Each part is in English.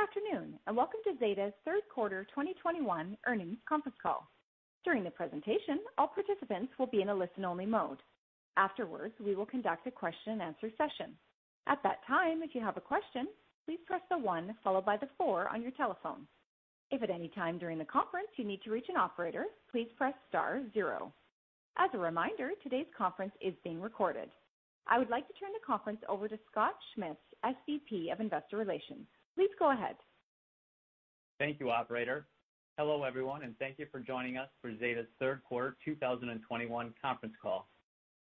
Good afternoon, and welcome to Zeta's third quarter 2021 earnings conference call. During the presentation, all participants will be in a listen-only mode. Afterwards, we will conduct a question-and-answer session. At that time, if you have a question, please press the one followed by the four on your telephone. If at any time during the conference you need to reach an operator, please press star zero. As a reminder, today's conference is being recorded. I would like to turn the conference over to Scott Schmitz, SVP of Investor Relations. Please go ahead. Thank you, Operator. Hello, everyone, and thank you for joining us for Zeta's third quarter 2021 conference call.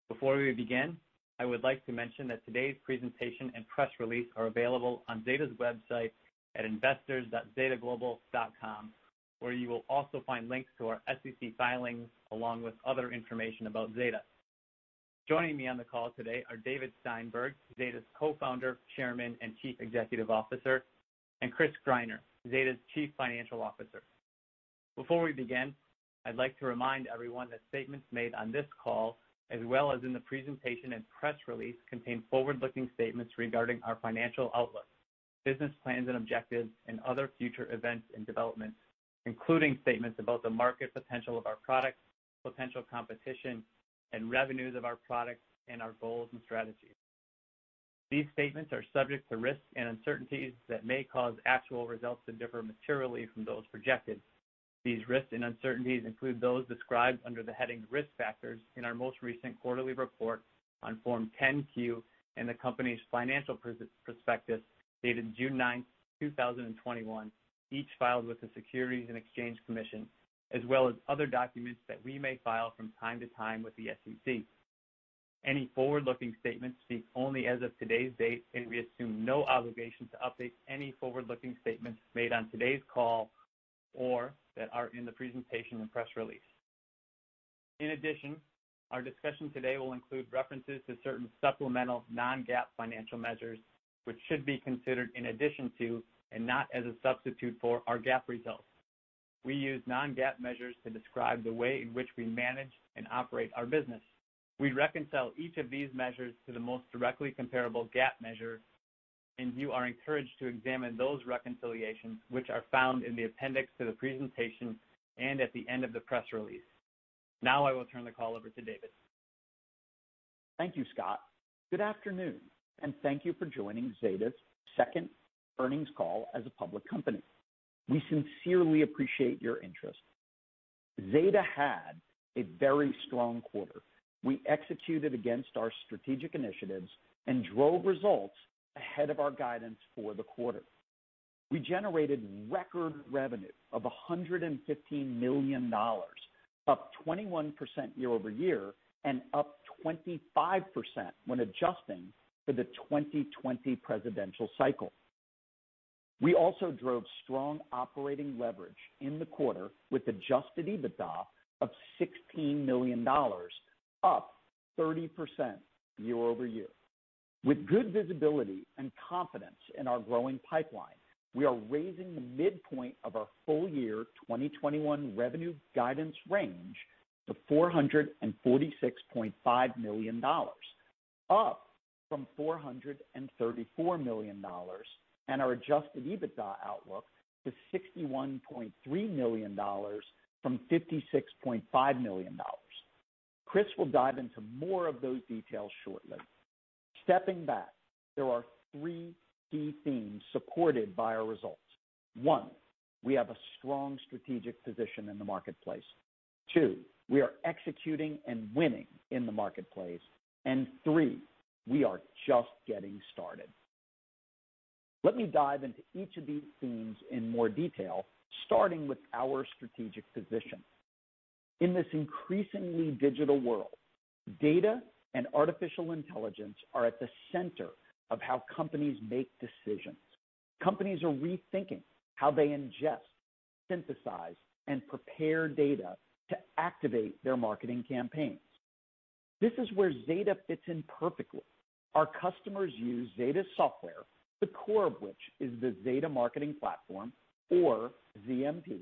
Before we begin, I would like to mention that today's presentation and press release are available on Zeta's website at investors.zetaglobal.com, where you will also find links to our SEC filings along with other information about Zeta. Joining me on the call today are David Steinberg, Zeta's Co-founder, Chairman, and Chief Executive Officer, and Chris Greiner, Zeta's Chief Financial Officer. Before we begin, I'd like to remind everyone that statements made on this call, as well as in the presentation and press release, contain forward-looking statements regarding our financial outlook, business plans and objectives, and other future events and developments, including statements about the market potential of our product, potential competition, and revenues of our product, and our goals and strategies. These statements are subject to risks and uncertainties that may cause actual results to differ materially from those projected. These risks and uncertainties include those described under the heading Risk Factors in our most recent quarterly report on Form 10-Q and the company's financial prospectus dated June 9, 2021, each filed with the Securities and Exchange Commission, as well as other documents that we may file from time to time with the SEC. Any forward-looking statements speak only as of today's date, and we assume no obligation to update any forward-looking statements made on today's call or that are in the presentation and press release. In addition, our discussion today will include references to certain supplemental non-GAAP financial measures, which should be considered in addition to and not as a substitute for our GAAP results. We use non-GAAP measures to describe the way in which we manage and operate our business. We reconcile each of these measures to the most directly comparable GAAP measure, and you are encouraged to examine those reconciliations, which are found in the appendix to the presentation and at the end of the press release. Now, I will turn the call over to David. Thank you, Scott. Good afternoon, and thank you for joining Zeta's second earnings call as a public company. We sincerely appreciate your interest. Zeta had a very strong quarter. We executed against our strategic initiatives and drove results ahead of our guidance for the quarter. We generated record revenue of $115 million, up 21% year-over-year and up 25% when adjusting for the 2020 presidential cycle. We also drove strong operating leverage in the quarter with Adjusted EBITDA of $16 million, up 30% year-over-year. With good visibility and confidence in our growing pipeline, we are raising the midpoint of our full year 2021 revenue guidance range to $446.5 million, up from $434 million, and our Adjusted EBITDA outlook to $61.3 million from $56.5 million. Chris will dive into more of those details shortly. Stepping back, there are three key themes supported by our results. One, we have a strong strategic position in the marketplace. Two, we are executing and winning in the marketplace, and three, we are just getting started. Let me dive into each of these themes in more detail, starting with our strategic position. In this increasingly digital world, data and artificial intelligence are at the center of how companies make decisions. Companies are rethinking how they ingest, synthesize, and prepare data to activate their marketing campaigns. This is where Zeta fits in perfectly. Our customers use Zeta's software, the core of which is the Zeta Marketing Platform, or ZMP,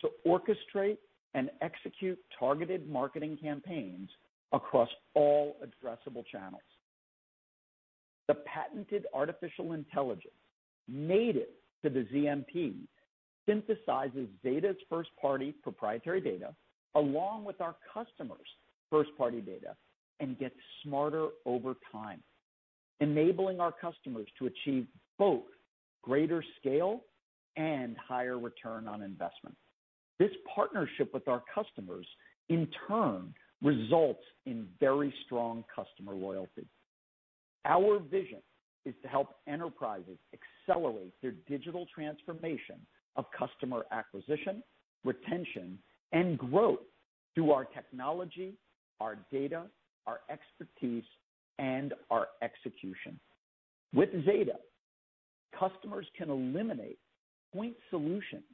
to orchestrate and execute targeted marketing campaigns across all addressable channels. The patented artificial intelligence native to the ZMP synthesizes Zeta's first-party proprietary data along with our customers' first-party data and gets smarter over time, enabling our customers to achieve both greater scale and higher return on investment. This partnership with our customers, in turn, results in very strong customer loyalty. Our vision is to help enterprises accelerate their digital transformation of customer acquisition, retention, and growth through our technology, our data, our expertise, and our execution. With Zeta, customers can eliminate point solutions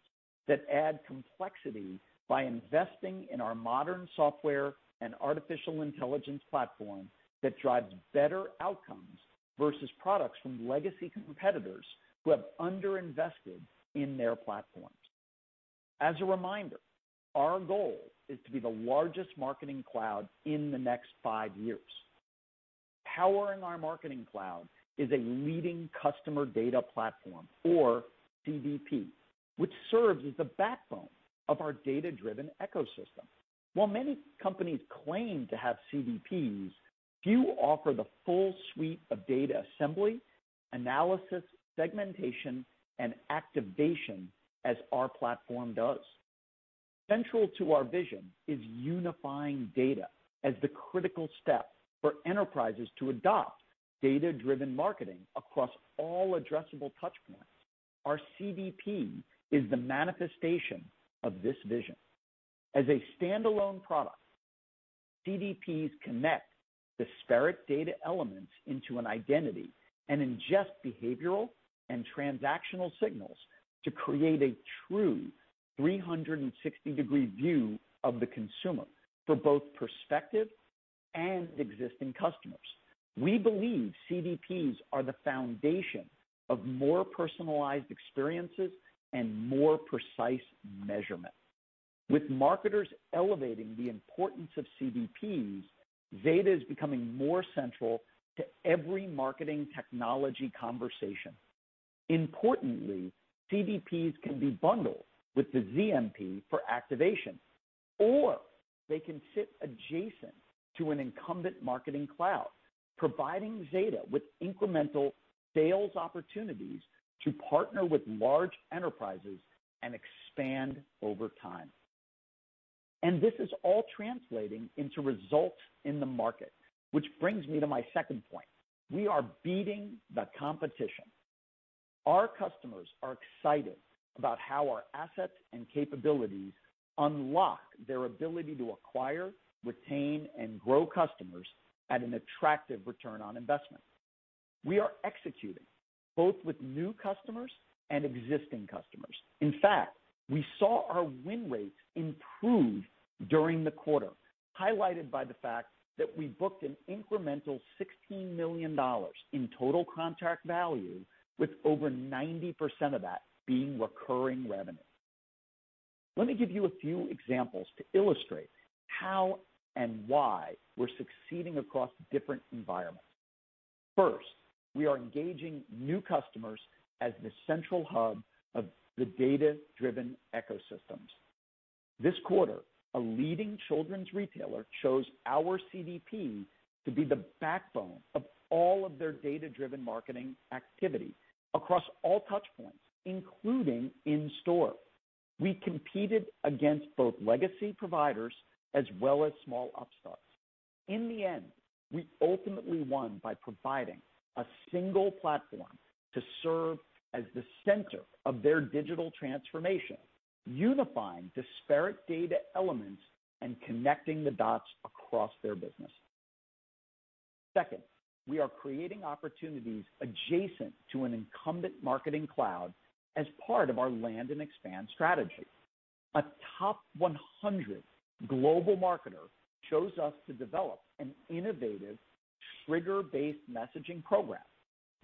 that add complexity by investing in our modern software and artificial intelligence platform that drives better outcomes versus products from legacy competitors who have underinvested in their platforms. As a reminder, our goal is to be the largest Marketing Cloud in the next five years. Powering our Marketing Cloud is a leading customer data platform, or CDP, which serves as the backbone of our data-driven ecosystem. While many companies claim to have CDPs, few offer the full suite of data assembly, analysis, segmentation, and activation as our platform does. Central to our vision is unifying data as the critical step for enterprises to adopt data-driven marketing across all addressable touchpoints. Our CDP is the manifestation of this vision. As a standalone product, CDPs connect disparate data elements into an identity and ingest behavioral and transactional signals to create a true 360-degree view of the consumer for both prospective and existing customers. We believe CDPs are the foundation of more personalized experiences and more precise measurement. With marketers elevating the importance of CDPs, Zeta is becoming more central to every marketing technology conversation. Importantly, CDPs can be bundled with the ZMP for activation, or they can sit adjacent to an incumbent Marketing Cloud, providing Zeta with incremental sales opportunities to partner with large enterprises and expand over time, and this is all translating into results in the market, which brings me to my second point. We are beating the competition. Our customers are excited about how our assets and capabilities unlock their ability to acquire, retain, and grow customers at an attractive return on investment. We are executing both with new customers and existing customers. In fact, we saw our win rates improve during the quarter, highlighted by the fact that we booked an incremental $16 million in total contract value, with over 90% of that being recurring revenue. Let me give you a few examples to illustrate how and why we're succeeding across different environments. First, we are engaging new customers as the central hub of the data-driven ecosystems. This quarter, a leading children's retailer chose our CDP to be the backbone of all of their data-driven marketing activity across all touchpoints, including in-store. We competed against both legacy providers as well as small upstarts. In the end, we ultimately won by providing a single platform to serve as the center of their digital transformation, unifying disparate data elements and connecting the dots across their business. Second, we are creating opportunities adjacent to an incumbent Marketing Cloud as part of our land and expand strategy. A top 100 global marketer chose us to develop an innovative trigger-based messaging program,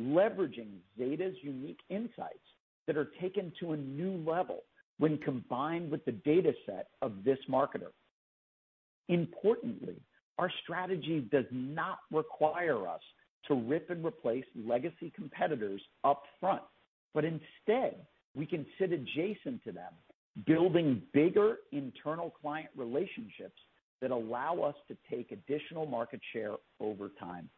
leveraging Zeta's unique insights that are taken to a new level when combined with the data set of this marketer. Importantly, our strategy does not require us to rip and replace legacy competitors upfront, but instead, we can sit adjacent to them, building bigger internal client relationships that allow us to take additional market share over time.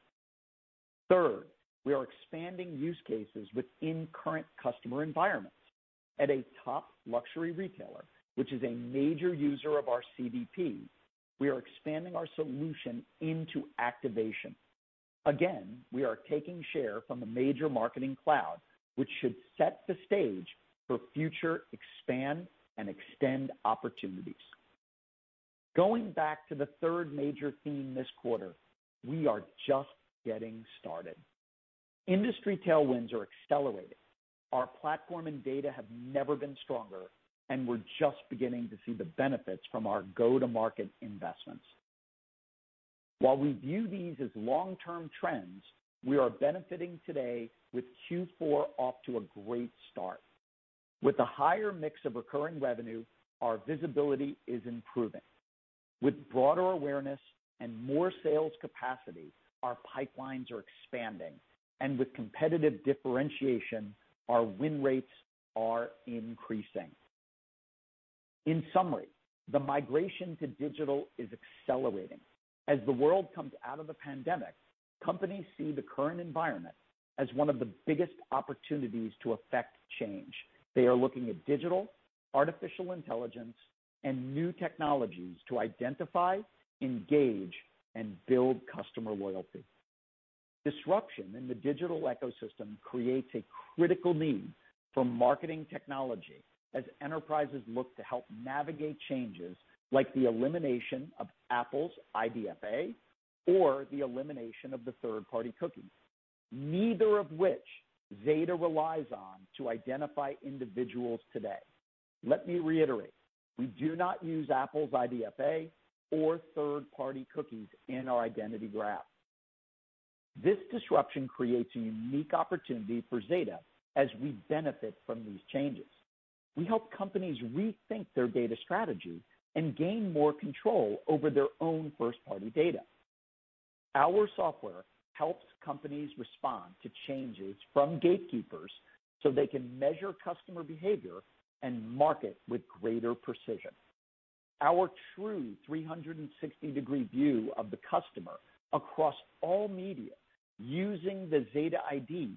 Third, we are expanding use cases within current customer environments. At a top luxury retailer, which is a major user of our CDP, we are expanding our solution into activation. Again, we are taking share from the major Marketing Cloud, which should set the stage for future expand and extend opportunities. Going back to the third major theme this quarter, we are just getting started. Industry tailwinds are accelerating. Our platform and data have never been stronger, and we're just beginning to see the benefits from our go-to-market investments. While we view these as long-term trends, we are benefiting today with Q4 off to a great start. With a higher mix of recurring revenue, our visibility is improving. With broader awareness and more sales capacity, our pipelines are expanding, and with competitive differentiation, our win rates are increasing. In summary, the migration to digital is accelerating. As the world comes out of the pandemic, companies see the current environment as one of the biggest opportunities to affect change. They are looking at digital, artificial intelligence, and new technologies to identify, engage, and build customer loyalty. Disruption in the digital ecosystem creates a critical need for marketing technology as enterprises look to help navigate changes like the elimination of Apple's IDFA or the elimination of the third-party cookie, neither of which Zeta relies on to identify individuals today. Let me reiterate, we do not use Apple's IDFA or third-party cookies in our identity graph. This disruption creates a unique opportunity for Zeta as we benefit from these changes. We help companies rethink their data strategy and gain more control over their own first-party data. Our software helps companies respond to changes from gatekeepers so they can measure customer behavior and market with greater precision. Our true 360-degree view of the customer across all media using the Zeta ID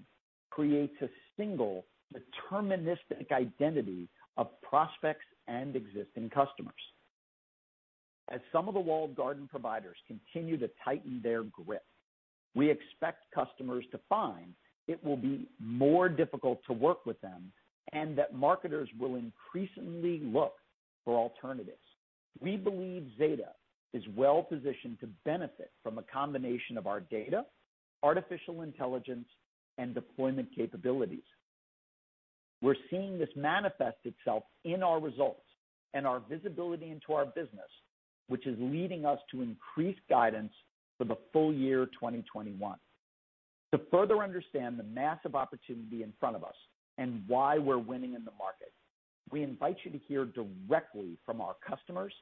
creates a single deterministic identity of prospects and existing customers. As some of the walled garden providers continue to tighten their grip, we expect customers to find it will be more difficult to work with them and that marketers will increasingly look for alternatives. We believe Zeta is well-positioned to benefit from a combination of our data, artificial intelligence, and deployment capabilities. We're seeing this manifest itself in our results and our visibility into our business, which is leading us to increased guidance for the full year 2021. To further understand the massive opportunity in front of us and why we're winning in the market, we invite you to hear directly from our customers,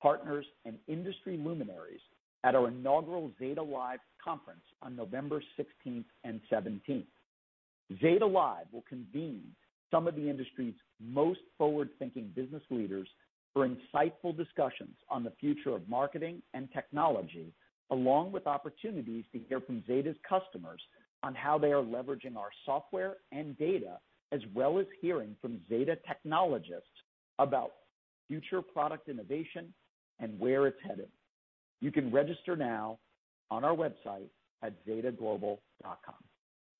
partners, and industry luminaries at our inaugural Zeta Live conference on November 16th and 17th. Zeta Live will convene some of the industry's most forward-thinking business leaders for insightful discussions on the future of marketing and technology, along with opportunities to hear from Zeta's customers on how they are leveraging our software and data, as well as hearing from Zeta technologists about future product innovation and where it's headed. You can register now on our website at zetaglobal.com.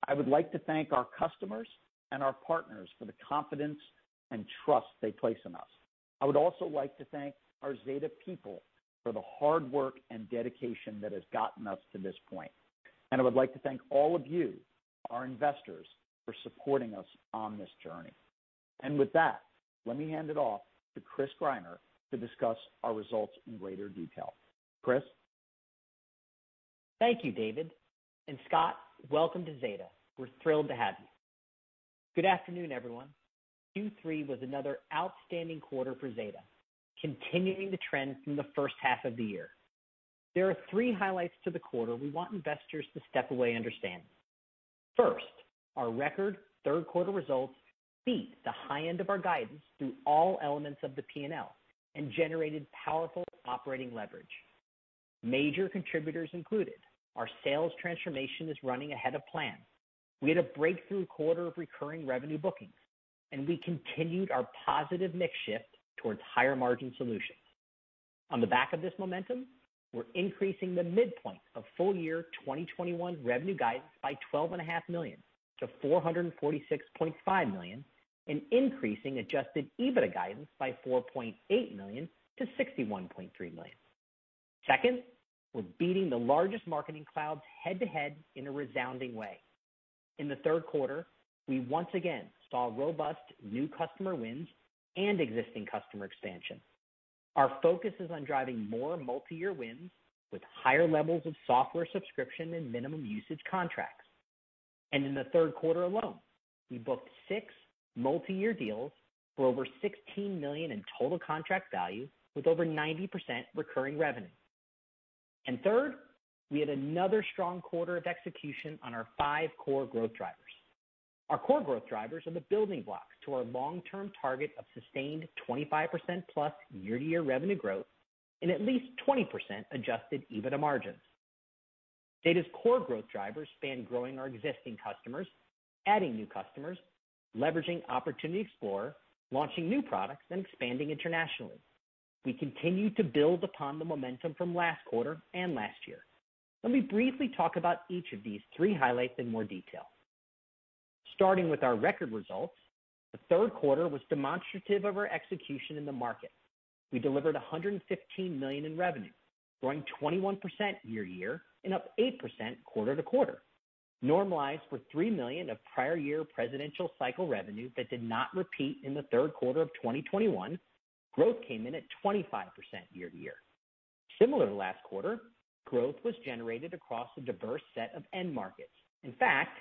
I would like to thank our customers and our partners for the confidence and trust they place in us. I would also like to thank our Zeta people for the hard work and dedication that has gotten us to this point, and I would like to thank all of you, our investors, for supporting us on this journey. With that, let me hand it off to Chris Greiner to discuss our results in greater detail. Chris. Thank you, David. Scott, welcome to Zeta. We're thrilled to have you. Good afternoon, everyone. Q3 was another outstanding quarter for Zeta, continuing the trend from the first half of the year. There are three highlights to the quarter we want investors to step away understanding. First, our record third-quarter results beat the high end of our guidance through all elements of the P&L and generated powerful operating leverage. Major contributors included our sales transformation is running ahead of plan. We had a breakthrough quarter of recurring revenue bookings, and we continued our positive mix shift towards higher margin solutions. On the back of this momentum, we're increasing the midpoint of full-year 2021 revenue guidance by $12.5 million-$446.5 million and increasing Adjusted EBITDA guidance by $4.8 million-$61.3 million. Second, we're beating the largest Marketing Clouds head-to-head in a resounding way. In the third quarter, we once again saw robust new customer wins and existing customer expansion. Our focus is on driving more multi-year wins with higher levels of software subscription and minimum usage contracts, and in the third quarter alone, we booked six multi-year deals for over $16 million in total contract value with over 90% recurring revenue, and third, we had another strong quarter of execution on our five core growth drivers. Our core growth drivers are the building blocks to our long-term target of sustained 25%+ year-to-year revenue growth and at least 20% adjusted EBITDA margins. Zeta's core growth drivers span growing our existing customers, adding new customers, leveraging Opportunity Explorer, launching new products, and expanding internationally. We continue to build upon the momentum from last quarter and last year. Let me briefly talk about each of these three highlights in more detail. Starting with our record results, the third quarter was demonstrative of our execution in the market. We delivered $115 million in revenue, growing 21% year-to-year and up 8% quarter-to-quarter. Normalized for $3 million of prior year presidential cycle revenue that did not repeat in the third quarter of 2021, growth came in at 25% year-to-year. Similar to last quarter, growth was generated across a diverse set of end markets. In fact,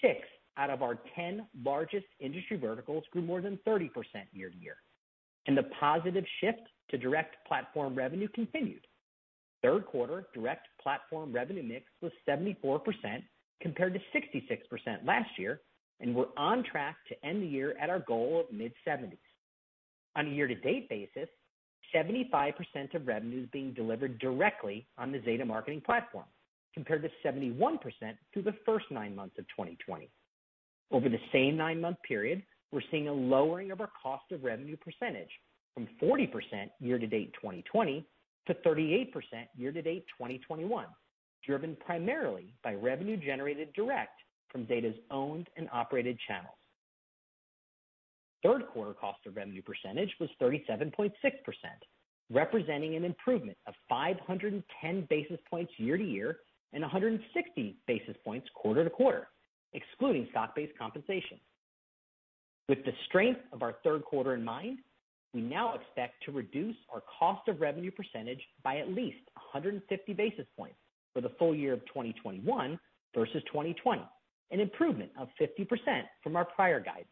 six out of our 10 largest industry verticals grew more than 30% year-to-year, and the positive shift to direct platform revenue continued. Third quarter direct platform revenue mix was 74% compared to 66% last year, and we're on track to end the year at our goal of mid-70s. On a year-to-date basis, 75% of revenue is being delivered directly on the Zeta Marketing Platform compared to 71% through the first nine months of 2020. Over the same nine-month period, we're seeing a lowering of our cost of revenue percentage from 40% year-to-date 2020-38% year-to-date 2021, driven primarily by revenue generated direct from Zeta's owned and operated channels. Third quarter cost of revenue percentage was 37.6%, representing an improvement of 510 basis points year-to-year and 160 basis points quarter-to-quarter, excluding stock-based compensation. With the strength of our third quarter in mind, we now expect to reduce our cost of revenue percentage by at least 150 basis points for the full year of 2021 versus 2020, an improvement of 50% from our prior guidance.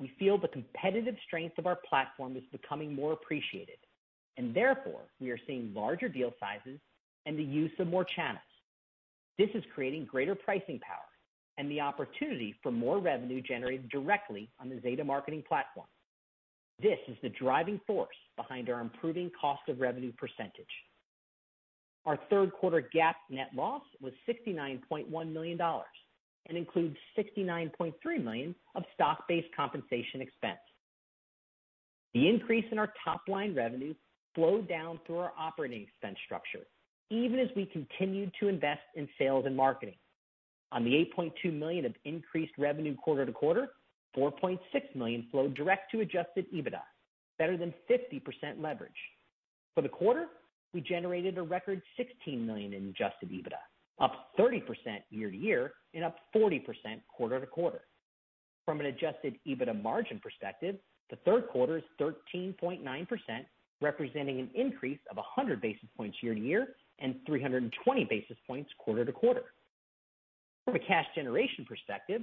We feel the competitive strength of our platform is becoming more appreciated, and therefore we are seeing larger deal sizes and the use of more channels. This is creating greater pricing power and the opportunity for more revenue generated directly on the Zeta Marketing Platform. This is the driving force behind our improving cost of revenue percentage. Our third quarter GAAP net loss was $69.1 million and includes $69.3 million of stock-based compensation expense. The increase in our top-line revenue flowed down through our operating expense structure, even as we continued to invest in sales and marketing. On the $8.2 million of increased revenue quarter-to-quarter, $4.6 million flowed direct to Adjusted EBITDA, better than 50% leverage. For the quarter, we generated a record $16 million in Adjusted EBITDA, up 30% year-to-year and up 40% quarter-to-quarter. From an Adjusted EBITDA margin perspective, the third quarter is 13.9%, representing an increase of 100 basis points year-to-year and 320 basis points quarter-to-quarter. From a cash generation perspective,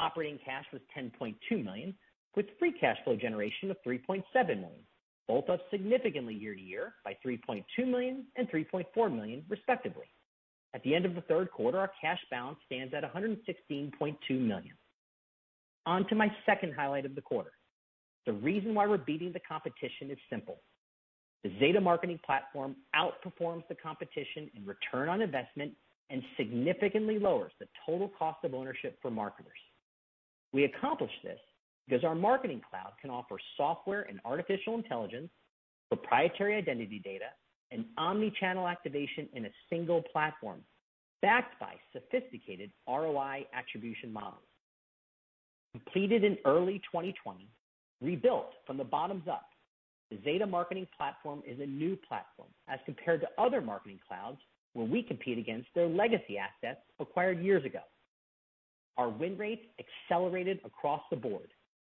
operating cash was $10.2 million, with free cash flow generation of $3.7 million, both up significantly year-to-year by $3.2 million and $3.4 million respectively. At the end of the third quarter, our cash balance stands at $116.2 million. On to my second highlight of the quarter. The reason why we're beating the competition is simple. The Zeta Marketing Platform outperforms the competition in return on investment and significantly lowers the total cost of ownership for marketers. We accomplish this because our Marketing Cloud can offer software and artificial intelligence, proprietary identity data, and omnichannel activation in a single platform backed by sophisticated ROI attribution models. Completed in early 2020, rebuilt from the bottom up, the Zeta Marketing Platform is a new platform as compared to other Marketing Clouds where we compete against their legacy assets acquired years ago. Our win rates accelerated across the board,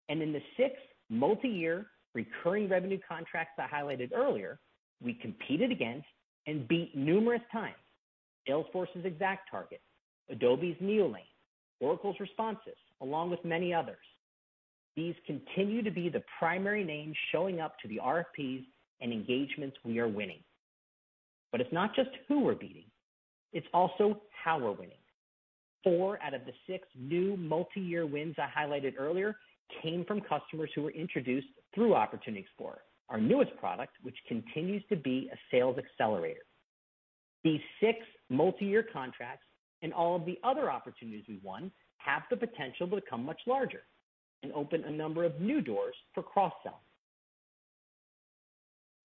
and in the six multi-year recurring revenue contracts I highlighted earlier, we competed against and beat numerous times Salesforce's ExactTarget, Adobe's Neolane, Oracle's Responsys, along with many others. These continue to be the primary names showing up to the RFPs and engagements we are winning. But it's not just who we're beating. It's also how we're winning. Four out of the six new multi-year wins I highlighted earlier came from customers who were introduced through Opportunity Explorer, our newest product, which continues to be a sales accelerator. These six multi-year contracts and all of the other opportunities we've won have the potential to become much larger and open a number of new doors for cross-sell.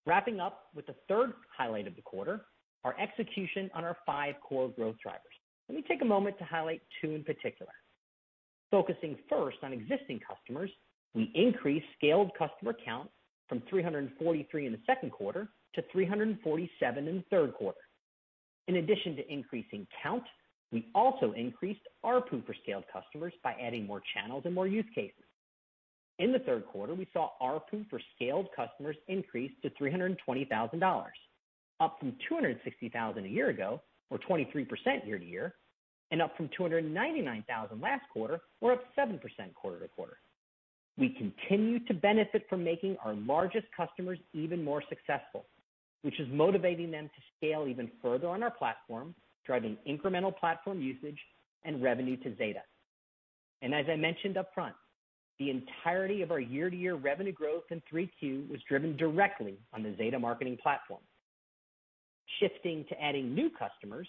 Wrapping up with the third highlight of the quarter, our execution on our five core growth drivers. Let me take a moment to highlight two in particular. Focusing first on existing customers, we increased scaled customer count from 343 in the second quarter to 347 in the third quarter. In addition to increasing count, we also increased our ARPU for scaled customers by adding more channels and more use cases. In the third quarter, we saw our ARPU for scaled customers increase to $320,000, up from 260,000 a year ago, or 23% year-to-year, and up from 299,000 last quarter, or up 7% quarter-to-quarter. We continue to benefit from making our largest customers even more successful, which is motivating them to scale even further on our platform, driving incremental platform usage and revenue to Zeta. As I mentioned upfront, the entirety of our year-to-year revenue growth in 3Q was driven directly on the Zeta Marketing Platform. Shifting to adding new customers,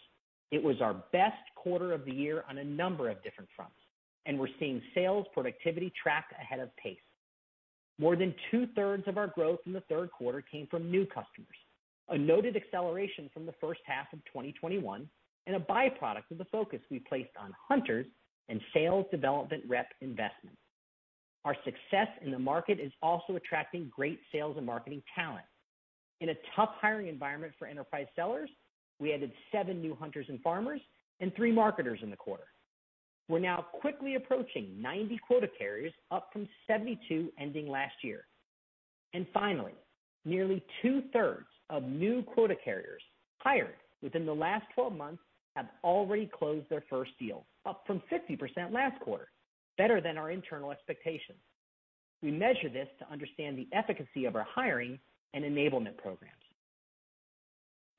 it was our best quarter of the year on a number of different fronts, and we're seeing sales productivity track ahead of pace. More than two-thirds of our growth in the third quarter came from new customers, a noted acceleration from the first half of 2021, and a byproduct of the focus we placed on hunters and sales development rep investment. Our success in the market is also attracting great sales and marketing talent. In a tough hiring environment for enterprise sellers, we added seven new hunters and farmers and three marketers in the quarter. We're now quickly approaching 90 quota carriers, up from 72 ending last year. Finally, nearly two-thirds of new quota carriers hired within the last 12 months have already closed their first deals, up from 50% last quarter, better than our internal expectations. We measure this to understand the efficacy of our hiring and enablement programs.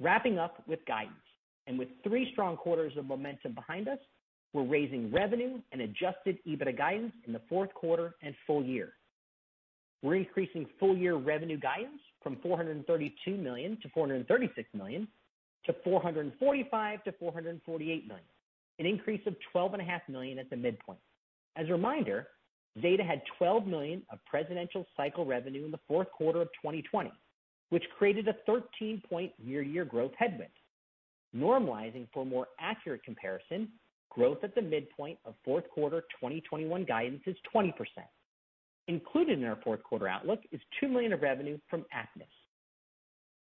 Wrapping up with guidance. With three strong quarters of momentum behind us, we're raising revenue and adjusted EBITDA guidance in the fourth quarter and full year. We're increasing full-year revenue guidance from $432 million-$436 million, $445 million-$448 million, an increase of $12.5 million at the midpoint. As a reminder, Zeta had $12 million of presidential cycle revenue in the fourth quarter of 2020, which created a 13-point year-to-year growth headwind. Normalizing for a more accurate comparison, growth at the midpoint of fourth quarter 2021 guidance is 20%. Included in our fourth quarter outlook is $2 million of revenue from AppNess.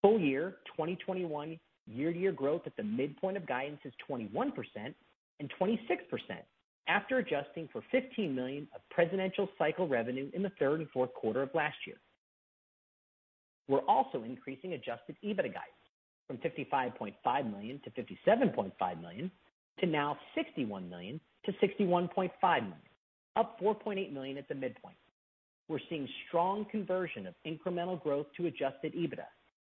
Full year 2021 year-to-year growth at the midpoint of guidance is 21% and 26% after adjusting for $15 million of presidential cycle revenue in the third and fourth quarter of last year. We're also increasing Adjusted EBITDA guidance from $55.5 million- $57.5 million to now $61 million-$61.5 million, up $4.8 million at the midpoint. We're seeing strong conversion of incremental growth to Adjusted EBITDA,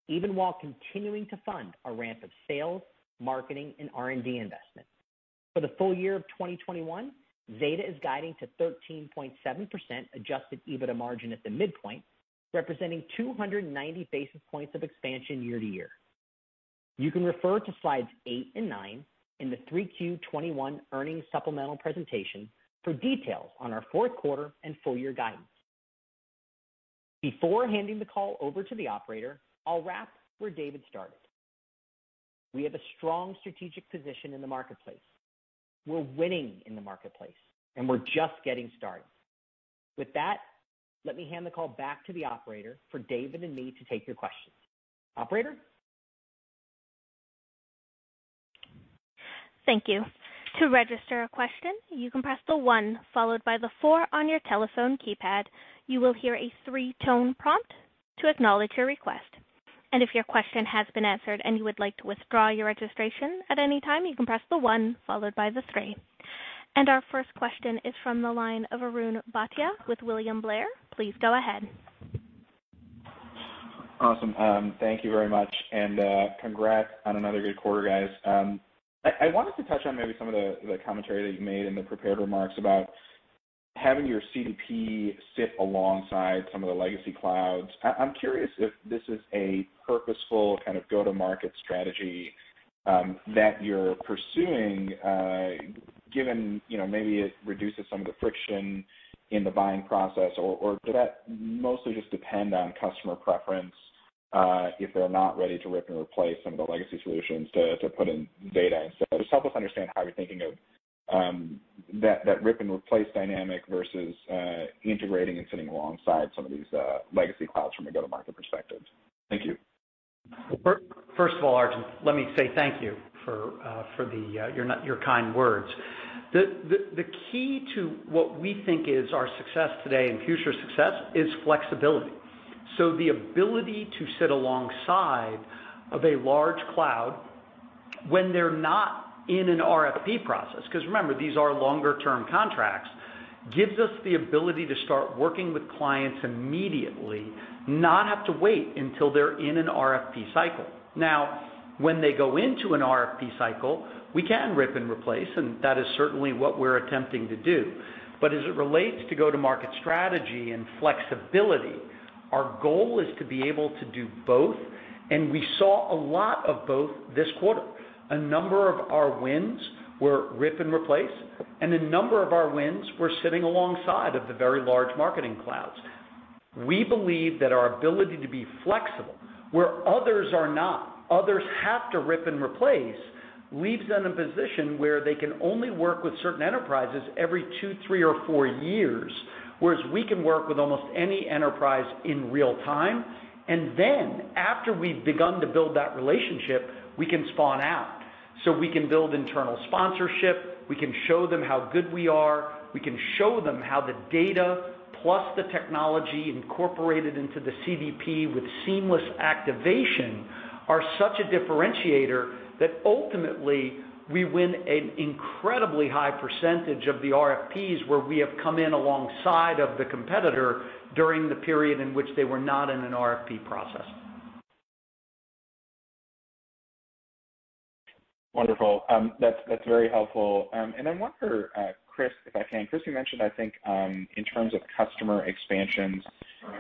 even while continuing to fund our ramp of sales, marketing, and R&D investment. For the full year of 2021, Zeta is guiding to 13.7% Adjusted EBITDA margin at the midpoint, representing 290 basis points of expansion year-to-year. You can refer to slides 8 and 9 in the 3Q21 earnings supplemental presentation for details on our fourth quarter and full-year guidance. Before handing the call over to the operator, I'll wrap where David started. We have a strong strategic position in the marketplace. We're winning in the marketplace, and we're just getting started. With that, let me hand the call back to the operator for David and me to take your questions. Operator? Thank you. To register a question, you can press the one followed by the four on your telephone keypad. You will hear a three-tone prompt to acknowledge your request, and if your question has been answered and you would like to withdraw your registration at any time, you can press the one followed by the three, and our first question is from the line of Arjun Bhatia with William Blair. Please go ahead. Awesome. Thank you very much, and congrats on another good quarter, guys. I wanted to touch on maybe some of the commentary that you made in the prepared remarks about having your CDP sit alongside some of the legacy clouds. I'm curious if this is a purposeful kind of go-to-market strategy that you're pursuing, given maybe it reduces some of the friction in the buying process, or does that mostly just depend on customer preference if they're not ready to rip and replace some of the legacy solutions to put in data instead? Just help us understand how you're thinking of that rip and replace dynamic versus integrating and sitting alongside some of these legacy clouds from a go-to-market perspective. Thank you. First of all, Arjun, let me say thank you for your kind words. The key to what we think is our success today and future success is flexibility. So the ability to sit alongside of a large cloud when they're not in an RFP process, because remember, these are longer-term contracts, gives us the ability to start working with clients immediately, not have to wait until they're in an RFP cycle. Now, when they go into an RFP cycle, we can rip and replace, and that is certainly what we're attempting to do. But as it relates to go-to-market strategy and flexibility, our goal is to be able to do both, and we saw a lot of both this quarter. A number of our wins were rip and replace, and a number of our wins were sitting alongside of the very large Marketing Clouds. We believe that our ability to be flexible where others are not. Others have to rip and replace, leaves them in a position where they can only work with certain enterprises every two, three, or four years, whereas we can work with almost any enterprise in real time and then after we've begun to build that relationship, we can spin out so we can build internal sponsorship. We can show them how good we are. We can show them how the data plus the technology incorporated into the CDP with seamless activation are such a differentiator that ultimately we win an incredibly high percentage of the RFPs where we have come in alongside of the competitor during the period in which they were not in an RFP process. Wonderful. That's very helpful. I wonder, Chris, if I can. Chris, you mentioned, I think, in terms of customer expansions,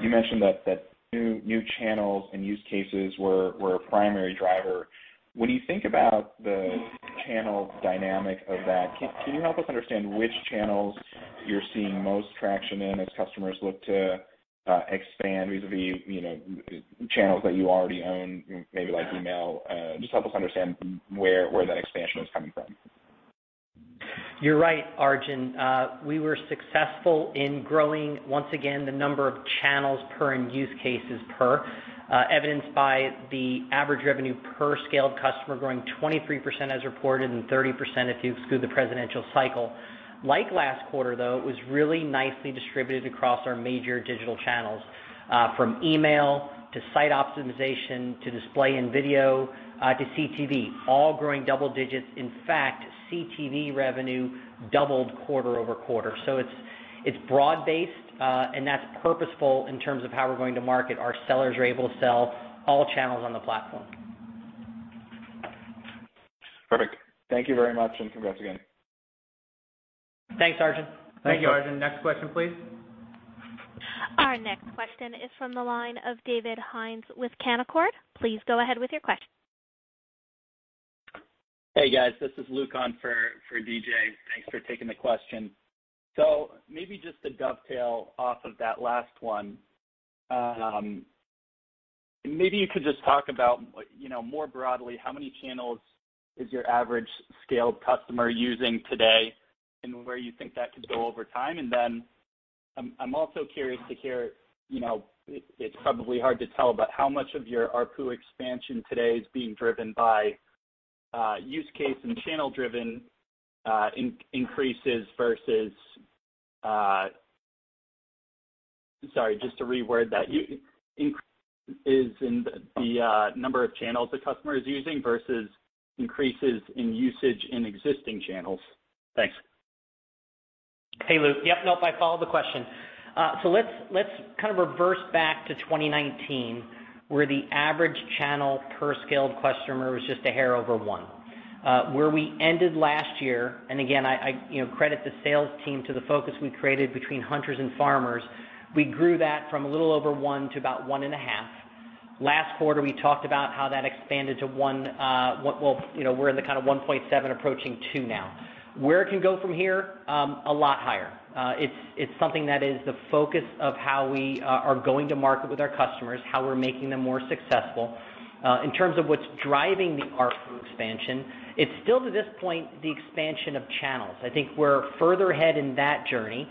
you mentioned that new channels and use cases were a primary driver. When you think about the channel dynamic of that, can you help us understand which channels you're seeing most traction in as customers look to expand vis-à-vis channels that you already own, maybe like email? Just help us understand where that expansion is coming from. You're right, Arjun. We were successful in growing, once again, the number of channels per and use cases per, evidenced by the average revenue per scaled customer growing 23% as reported and 30% if you exclude the presidential cycle. Like last quarter, though, it was really nicely distributed across our major digital channels from email to site optimization to display and video to CTV, all growing double digits. In fact, CTV revenue doubled quarter-over-quarter, so it's broad-based, and that's purposeful in terms of how we're going to market. Our sellers are able to sell all channels on the platform. Perfect. Thank you very much, and congrats again. Thanks, Arjun. Thank you, Arjun. Next question, please. Our next question is from the line of David Hynes with Canaccord. Please go ahead with your question. Hey, guys. This is Luke on for DJ. Thanks for taking the question. So maybe just to dovetail off of that last one, maybe you could just talk about more broadly how many channels is your average scaled customer using today and where you think that could go over time? Then I'm also curious to hear, it's probably hard to tell, but how much of your ARPU expansion today is being driven by use case and channel-driven increases versus, sorry, just to reword that, increases in the number of channels the customer is using versus increases in usage in existing channels? Thanks. Hey, Luke. Yep, nope, I follow the question. So let's kind of reverse back to 2019, where the average channel per scaled customer was just a hair over one. Where we ended last year, and again, I credit the sales team to the focus we created between hunters and farmers, we grew that from a little over one to about one and a half. Last quarter, we talked about how that expanded to one. Well, we're in the kind of 1.7 approaching two now. Where it can go from here? A lot higher. It's something that is the focus of how we are going to market with our customers, how we're making them more successful. In terms of what's driving the ARPU expansion, it's still, to this point, the expansion of channels. I think we're further ahead in that journey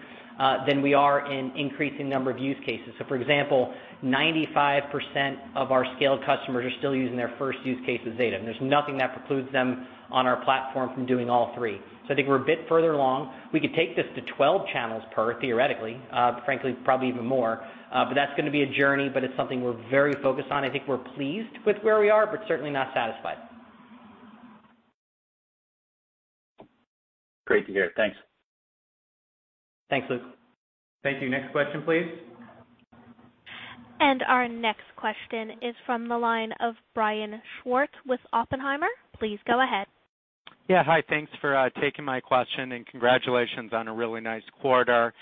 than we are in increasing the number of use cases. So, for example, 95% of our scaled customers are still using their first use case with Zeta, and there's nothing that precludes them on our platform from doing all three. So I think we're a bit further along. We could take this to 12 channels per, theoretically. Frankly, probably even more. But that's going to be a journey, but it's something we're very focused on. I think we're pleased with where we are, but certainly not satisfied. Great to hear. Thanks. Thanks, Luke. Thank you. Next question, please. Our next question is from the line of Brian Schwartz with Oppenheimer. Please go ahead. Yeah. Hi. Thanks for taking my question, and congratulations on a really nice quarter.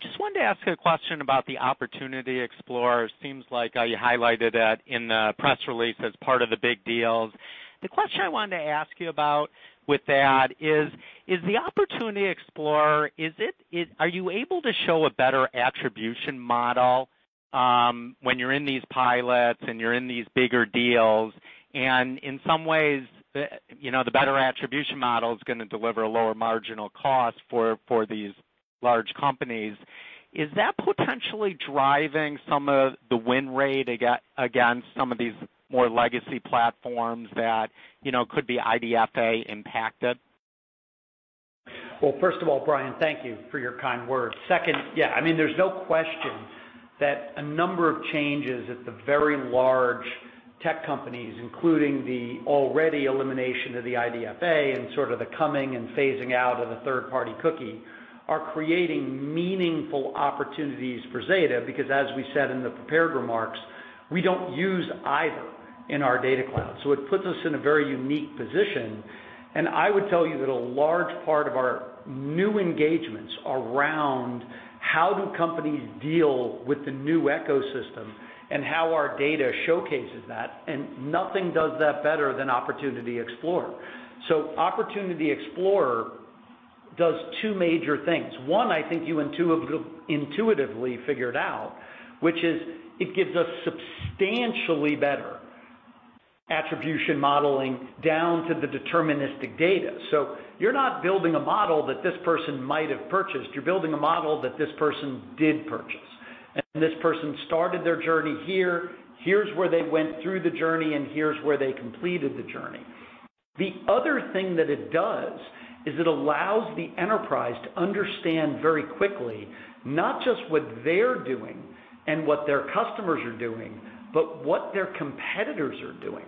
Just wanted to ask a question about the Opportunity Explorer. It seems like you highlighted that in the press release as part of the big deals. The question I wanted to ask you about with that is, is the Opportunity Explorer - are you able to show a better attribution model when you're in these pilots and you're in these bigger deals? In some ways, the better attribution model is going to deliver a lower marginal cost for these large companies. Is that potentially driving some of the win rate against some of these more legacy platforms that could be IDFA impacted? First of all, Brian, thank you for your kind words. Second, yeah, I mean, there's no question that a number of changes at the very large tech companies, including the already elimination of the IDFA and sort of the coming and phasing out of the third-party cookie, are creating meaningful opportunities for Zeta because, as we said in the prepared remarks, we don't use either in our Data Cloud. It puts us in a very unique position. I would tell you that a large part of our new engagements around how do companies deal with the new ecosystem and how our data showcases that, and nothing does that better than Opportunity Explorer. Opportunity Explorer does two major things. One, I think you intuitively figured out, which is it gives us substantially better attribution modeling down to the deterministic data. So you're not building a model that this person might have purchased. You're building a model that this person did purchase, and this person started their journey here. Here's where they went through the journey, and here's where they completed the journey. The other thing that it does is it allows the enterprise to understand very quickly not just what they're doing and what their customers are doing, but what their competitors are doing.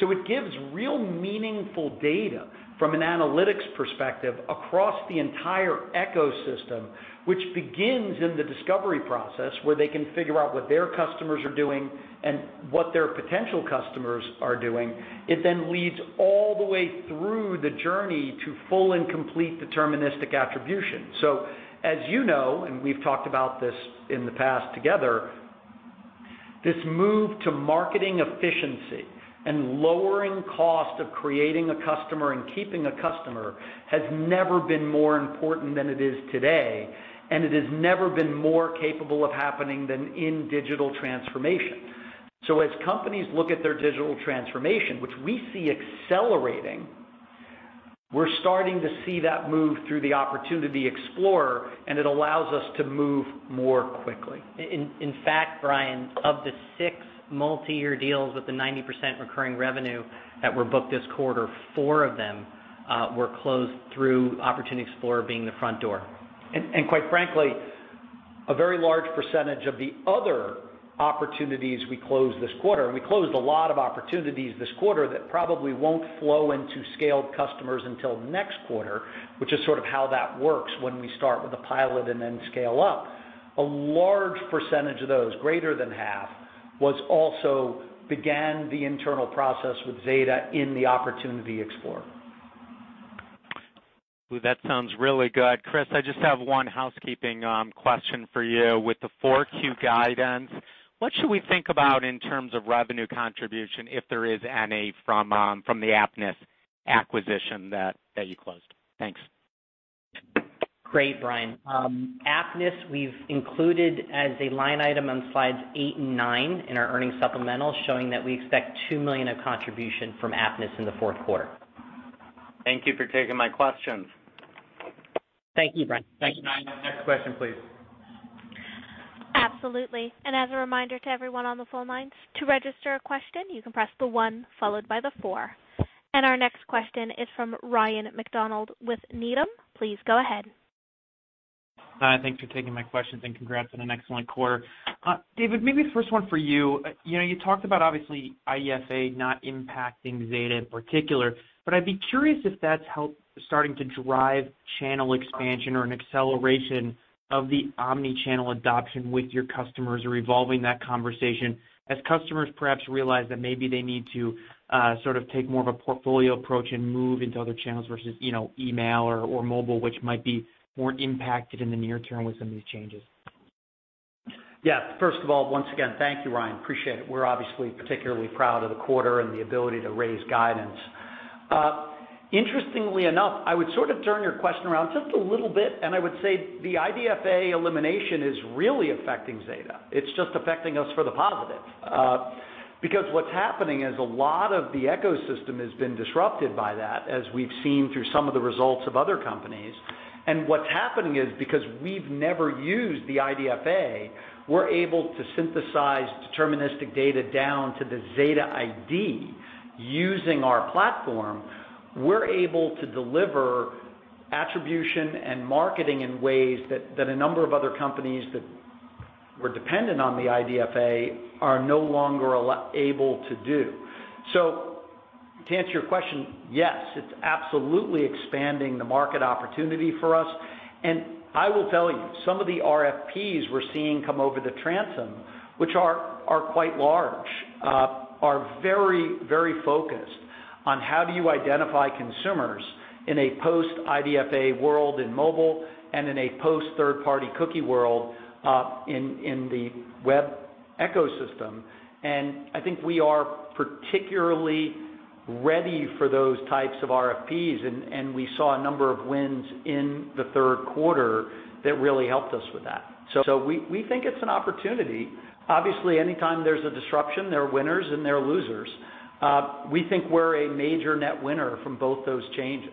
So it gives real meaningful data from an analytics perspective across the entire ecosystem, which begins in the discovery process where they can figure out what their customers are doing and what their potential customers are doing. It then leads all the way through the journey to full and complete deterministic attribution. So, as you know, and we've talked about this in the past together, this move to marketing efficiency and lowering cost of creating a customer and keeping a customer has never been more important than it is today, and it has never been more capable of happening than in digital transformation. So, as companies look at their digital transformation, which we see accelerating, we're starting to see that move through the Opportunity Explorer, and it allows us to move more quickly. In fact, Brian, of the six multi-year deals with the 90% recurring revenue that were booked this quarter, four of them were closed through Opportunity Explorer being the front door. Quite frankly, a very large percentage of the other opportunities we closed this quarter, and we closed a lot of opportunities this quarter that probably won't flow into scaled customers until next quarter, which is sort of how that works when we start with a pilot and then scale up, a large percentage of those, greater than half, was also began the internal process with Zeta in the Opportunity Explorer. That sounds really good. Chris, I just have one housekeeping question for you. With the 4Q guidance, what should we think about in terms of revenue contribution if there is any from the AppNess acquisition that you closed? Thanks. Great, Brian. AppNess, we've included as a line item on slides 8 and 9 in our earnings supplemental showing that we expect $2 million of contribution from AppNess in the fourth quarter. Thank you for taking my questions. Thank you, Brian. Thank you, Brian. Next question, please. Absolutely. As a reminder to everyone on the phone lines, to register a question, you can press the one followed by the four. Our next question is from Ryan MacDonald with Needham. Please go ahead. Hi. Thanks for taking my questions, and congrats on an excellent quarter. David, maybe the first one for you. You talked about, obviously, IDFA not impacting Zeta in particular, but I'd be curious if that's helped starting to drive channel expansion or an acceleration of the omnichannel adoption with your customers or evolving that conversation as customers perhaps realize that maybe they need to sort of take more of a portfolio approach and move into other channels versus email or mobile, which might be more impacted in the near term with some of these changes? Yeah. First of all, once again, thank you, Ryan. Appreciate it. We're obviously particularly proud of the quarter and the ability to raise guidance. Interestingly enough, I would sort of turn your question around just a little bit, and I would say the IDFA elimination is really affecting Zeta. It's just affecting us for the positive because what's happening is a lot of the ecosystem has been disrupted by that, as we've seen through some of the results of other companies. What's happening is because we've never used the IDFA, we're able to synthesize deterministic data down to the Zeta ID using our platform. We're able to deliver attribution and marketing in ways that a number of other companies that were dependent on the IDFA are no longer able to do. So, to answer your question, yes, it's absolutely expanding the market opportunity for us. I will tell you, some of the RFPs we're seeing come over the transom, which are quite large, are very, very focused on how do you identify consumers in a post-IDFA world in mobile and in a post-third-party cookie world in the web ecosystem. I think we are particularly ready for those types of RFPs, and we saw a number of wins in the third quarter that really helped us with that. So we think it's an opportunity. Obviously, anytime there's a disruption, there are winners and there are losers. We think we're a major net winner from both those changes.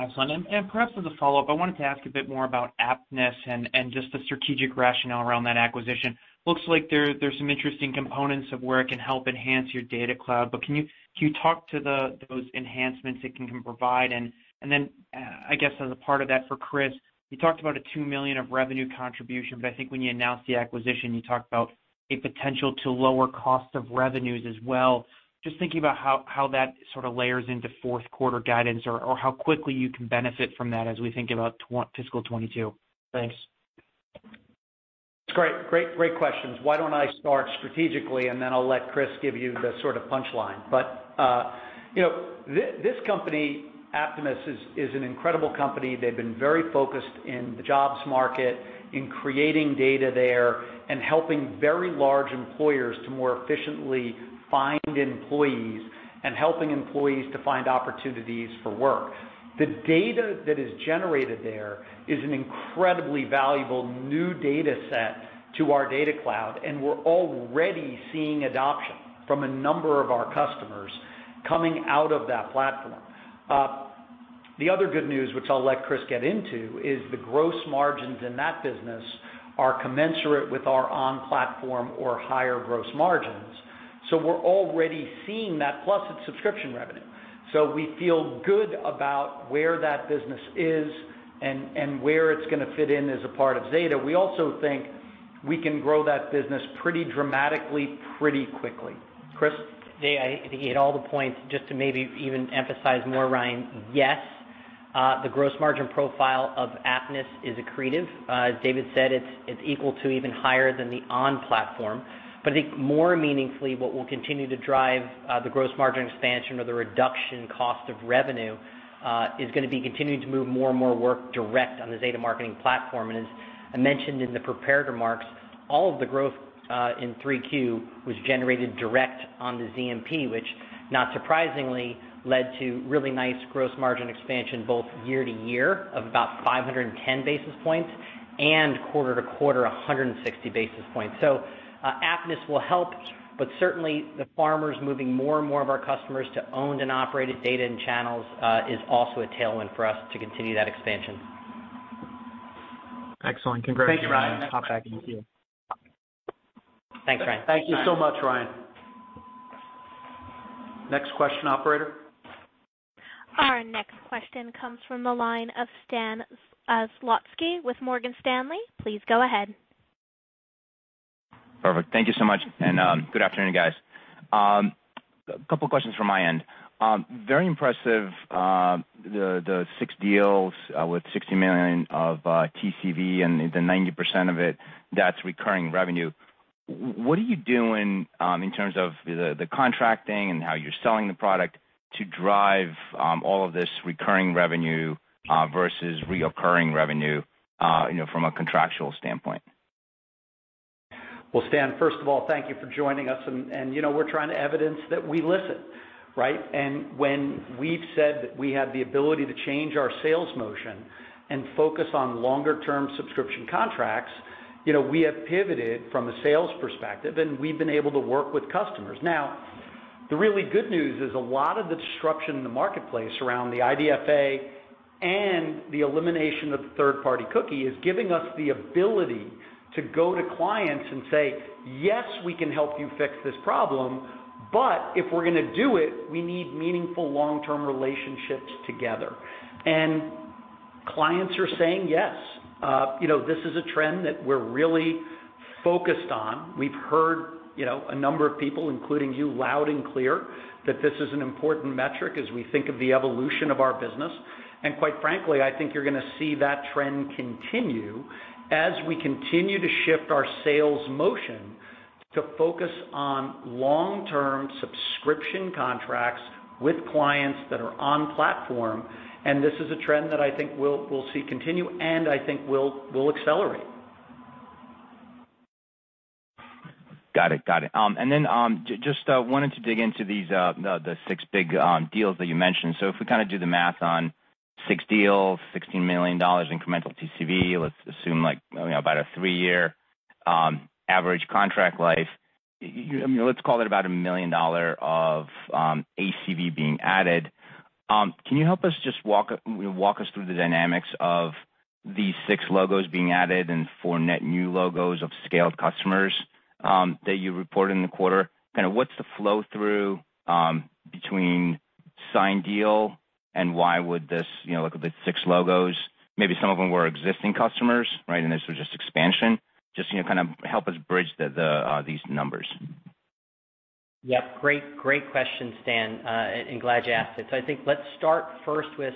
Excellent. Perhaps as a follow-up, I wanted to ask a bit more about AppNess and just the strategic rationale around that acquisition. Looks like there's some interesting components of where it can help enhance your Data Cloud, but can you talk to those enhancements it can provide? Then, I guess as a part of that for Chris, you talked about a $2 million of revenue contribution, but I think when you announced the acquisition, you talked about a potential to lower cost of revenues as well. Just thinking about how that sort of layers into fourth quarter guidance or how quickly you can benefit from that as we think about fiscal 2022. Thanks. That's great. Great, great questions. Why don't I start strategically, and then I'll let Chris give you the sort of punchline? But this company, AppNess, is an incredible company. They've been very focused in the jobs market, in creating data there, and helping very large employers to more efficiently find employees and helping employees to find opportunities for work. The data that is generated there is an incredibly valuable new data set to our Data Cloud, and we're already seeing adoption from a number of our customers coming out of that platform. The other good news, which I'll let Chris get into, is the gross margins in that business are commensurate with our on-platform or higher gross margins. So we're already seeing that, plus its subscription revenue. So we feel good about where that business is and where it's going to fit in as a part of Zeta. We also think we can grow that business pretty dramatically, pretty quickly. Chris? Zeta, I think you hit all the points. Just to maybe even emphasize more, Ryan, yes, the gross margin profile of AppNess is accretive. As David said, it's equal to even higher than the on-platform. But I think more meaningfully, what will continue to drive the gross margin expansion or the reduction in cost of revenue is going to be continuing to move more and more work direct on the Zeta Marketing Platform. As I mentioned in the prepared remarks, all of the growth in 3Q was generated direct on the ZMP, which, not surprisingly, led to really nice gross margin expansion both year-to-year of about 510 basis points and quarter-to-quarter 160 basis points. So AppNess will help. But certainly, the fact we're moving more and more of our customers to owned and operated data and channels is also a tailwind for us to continue that expansion. Excellent. Congratulations. Thank you, Ryan. Hop back in and see you. Thanks, Ryan. Thank you so much, Ryan. Next question, operator. Our next question comes from the line of Stan Zlotsky with Morgan Stanley. Please go ahead. Perfect. Thank you so much, and good afternoon, guys. A couple of questions from my end. Very impressive, the six deals with $60 million of TCV and the 90% of it, that's recurring revenue. What are you doing in terms of the contracting and how you're selling the product to drive all of this recurring revenue versus reoccurring revenue from a contractual standpoint? Stan, first of all, thank you for joining us. We're trying to evidence that we listen, right? When we've said that we have the ability to change our sales motion and focus on longer-term subscription contracts, we have pivoted from a sales perspective, and we've been able to work with customers. Now, the really good news is a lot of the disruption in the marketplace around the IDFA and the elimination of the third-party cookie is giving us the ability to go to clients and say, "Yes, we can help you fix this problem, but if we're going to do it, we need meaningful long-term relationships together." Clients are saying, "Yes. This is a trend that we're really focused on." We've heard a number of people, including you, loud and clear that this is an important metric as we think of the evolution of our business and quite frankly, I think you're going to see that trend continue as we continue to shift our sales motion to focus on long-term subscription contracts with clients that are on-platform. This is a trend that I think we'll see continue, and I think we'll accelerate. Got it. Got it. Then just wanted to dig into the six big deals that you mentioned. So if we kind of do the math on six deals, $16 million incremental TCV, let's assume about a three-year average contract life. Let's call it about $1 million of ACV being added. Can you help us just walk us through the dynamics of these six logos being added and four net new logos of scaled customers that you reported in the quarter? Kind of what's the flow through between signed deal and why would this look at the six logos? Maybe some of them were existing customers, right? This was just expansion. Just kind of help us bridge these numbers. Yep. Great, great question, Stan, and glad you asked it. So I think let's start first with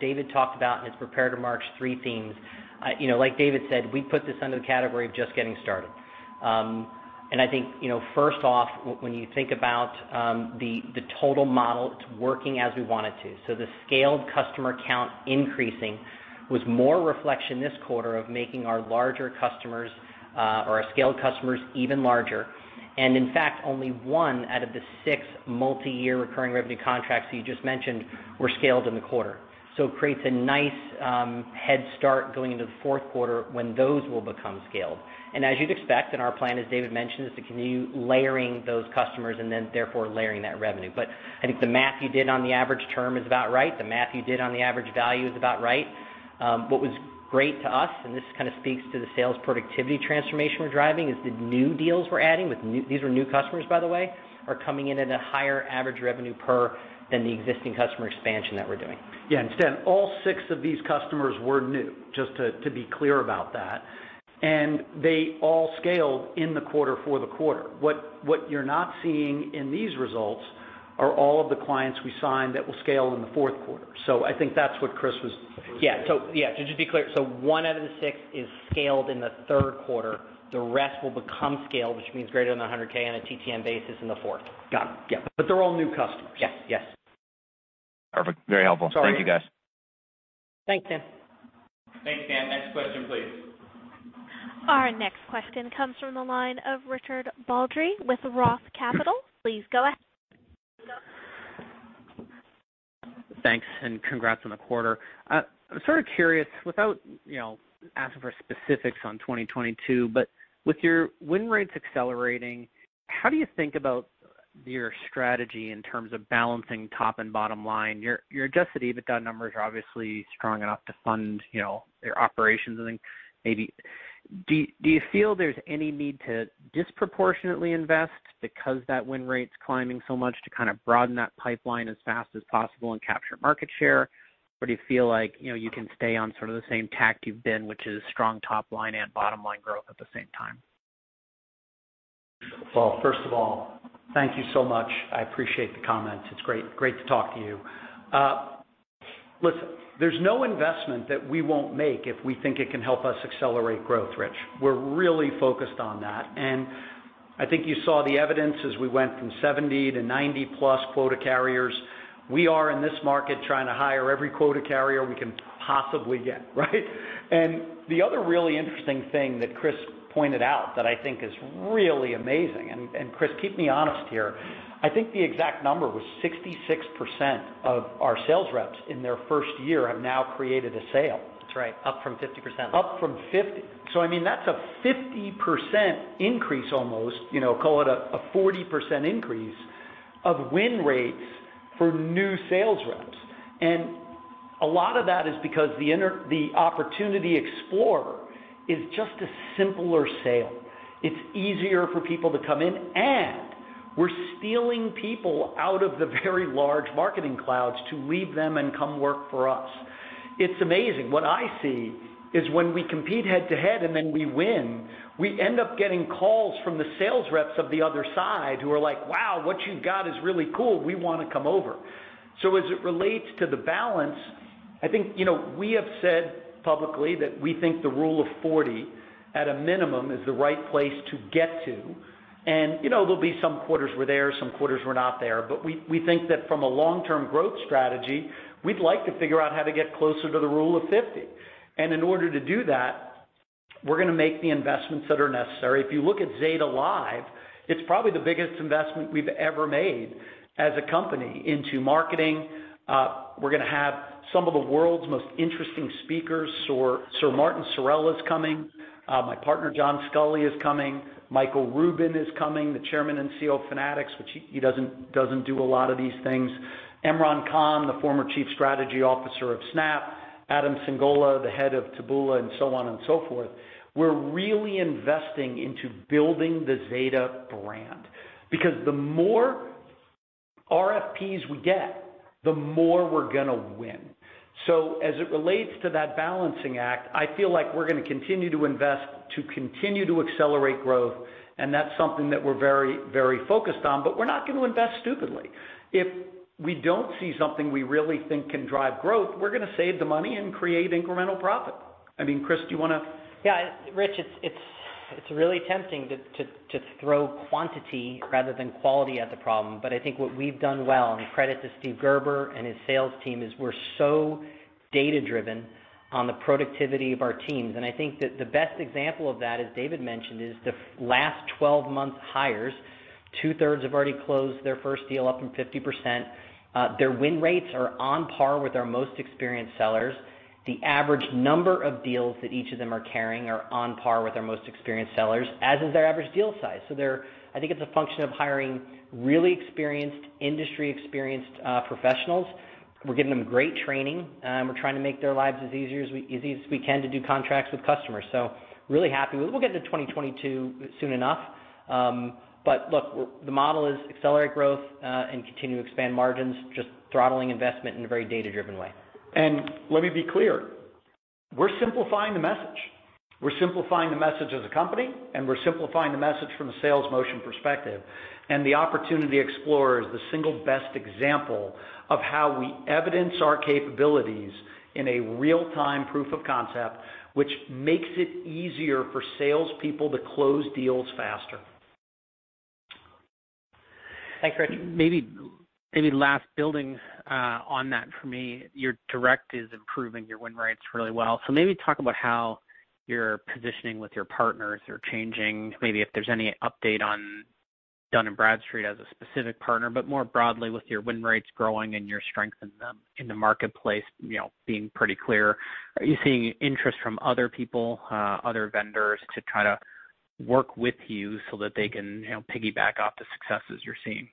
David talked about in his prepared remarks three themes. Like David said, we put this under the category of just getting started, and I think first off, when you think about the total model, it's working as we want it to. So the scaled customer count increasing was more reflection this quarter of making our larger customers or our scaled customers even larger. In fact, only one out of the six multi-year recurring revenue contracts that you just mentioned were scaled in the quarter. So it creates a nice head start going into the fourth quarter when those will become scaled. As you'd expect, and our plan, as David mentioned, is to continue layering those customers and then therefore layering that revenue. But I think the math you did on the average term is about right. The math you did on the average value is about right. What was great to us, and this kind of speaks to the sales productivity transformation we're driving, is the new deals we're adding with these are new customers, by the way, are coming in at a higher average revenue per than the existing customer expansion that we're doing. Yeah. Stan, all six of these customers were new, just to be clear about that, and they all scaled in the quarter for the quarter. What you're not seeing in these results are all of the clients we signed that will scale in the fourth quarter. So I think that's what Chris was. Yeah, to just be clear, one out of the six is scaled in the third quarter. The rest will become scaled, which means greater than 100K on a TTM basis in the fourth. Got it. Yeah. But they're all new customers. Yes. Yes. Perfect. Very helpful. Thank you, guys. Thanks, Stan. Thanks, Stan. Next question, please. Our next question comes from the line of Richard Baldry with Roth Capital. Please go ahead. Thanks, and congrats on the quarter. I'm sort of curious, without asking for specifics on 2022, but with your win rates accelerating, how do you think about your strategy in terms of balancing top and bottom line? Your Adjusted EBITDA numbers are obviously strong enough to fund your operations. I think maybe do you feel there's any need to disproportionately invest because that win rate's climbing so much to kind of broaden that pipeline as fast as possible and capture market share, or do you feel like you can stay on sort of the same tack you've been, which is strong top-line and bottom-line growth at the same time? First of all, thank you so much. I appreciate the comments. It's great to talk to you. Listen, there's no investment that we won't make if we think it can help us accelerate growth, Rich. We're really focused on that. I think you saw the evidence as we went from 70-90+ quota carriers. We are in this market trying to hire every quota carrier we can possibly get, right? The other really interesting thing that Chris pointed out that I think is really amazing, and Chris, keep me honest here, I think the exact number was 66% of our sales reps in their first year have now created a sale. That's right. Up from 50%. Up from 50%. So I mean, that's a 50% increase almost, call it a 40% increase of win rates for new sales reps, and a lot of that is because the Opportunity Explorer is just a simpler sale. It's easier for people to come in, and we're stealing people out of the very large Marketing Clouds to leave them and come work for us. It's amazing. What I see is when we compete head-to-head and then we win, we end up getting calls from the sales reps of the other side who are like, "Wow, what you've got is really cool. We want to come over." So as it relates to the balance, I think we have said publicly that we think the Rule of 40 at a minimum is the right place to get to. There'll be some quarters where we're not there, but we think that from a long-term growth strategy, we'd like to figure out how to get closer to the Rule of 50. In order to do that, we're going to make the investments that are necessary. If you look at Zeta Live, it's probably the biggest investment we've ever made as a company into marketing. We're going to have some of the world's most interesting speakers. Sir Martin Sorrell is coming. My partner, John Sculley, is coming. Michael Rubin is coming, the Chairman and CEO of Fanatics, which he doesn't do a lot of these things. Imran Khan, the former Chief Strategy Officer of Snap, Adam Singolda, the head of Taboola, and so on and so forth. We're really investing into building the Zeta brand because the more RFPs we get, the more we're going to win. So as it relates to that balancing act, I feel like we're going to continue to invest to continue to accelerate growth, and that's something that we're very, very focused on, but we're not going to invest stupidly. If we don't see something we really think can drive growth, we're going to save the money and create incremental profit. I mean, Chris, do you want to? Yeah. Rich, it's really tempting to throw quantity rather than quality at the problem, but I think what we've done well, and credit to Steve Gerber and his sales team, is we're so data-driven on the productivity of our teams, and I think that the best example of that, as David mentioned, is the last 12-month hires. 2/3 have already closed their first deal up in 50%. Their win rates are on par with our most experienced sellers. The average number of deals that each of them are carrying are on par with our most experienced sellers, as is their average deal size, so I think it's a function of hiring really experienced, industry-experienced professionals. We're giving them great training, and we're trying to make their lives as easy as we can to do contracts with customers, so really happy. We'll get into 2022 soon enough. But look, the model is accelerate growth and continue to expand margins, just throttling investment in a very data-driven way. Let me be clear, we're simplifying the message. We're simplifying the message as a company, and we're simplifying the message from a sales motion perspective. And the Opportunity Explorer is the single best example of how we evidence our capabilities in a real-time proof of concept, which makes it easier for salespeople to close deals faster. Thanks, Rich. Maybe lastly, building on that for me, your direct is improving your win rates really well. So maybe talk about how you're positioning with your partners. You're changing. Maybe if there's any update on Dun & Bradstreet as a specific partner, but more broadly with your win rates growing and your strength in the marketplace being pretty clear. Are you seeing interest from other people, other vendors to try to work with you so that they can piggyback off the successes you're seeing?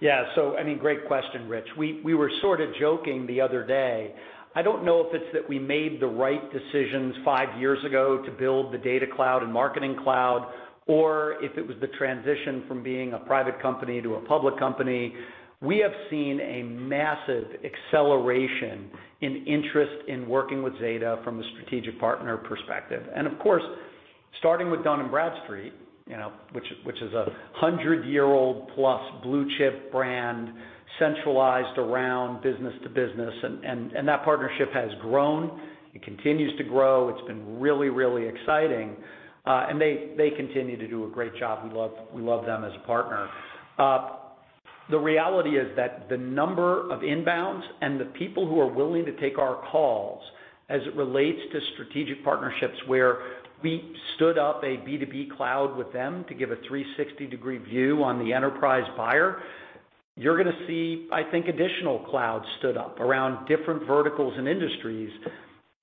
Yeah. So I mean, great question, Rich. We were sort of joking the other day. I don't know if it's that we made the right decisions five years ago to build the Data Cloud and Marketing Cloud, or if it was the transition from being a private company to a public company. We have seen a massive acceleration in interest in working with Zeta from a strategic partner perspective, and of course, starting with Dun & Bradstreet, which is a 100-year-old+ blue-chip brand centralized around business-to-business, and that partnership has grown. It continues to grow. It's been really, really exciting and they continue to do a great job. We love them as a partner. The reality is that the number of inbounds and the people who are willing to take our calls as it relates to strategic partnerships where we stood up a B2B cloud with them to give a 360-degree view on the enterprise buyer, you're going to see, I think, additional clouds stood up around different verticals and industries,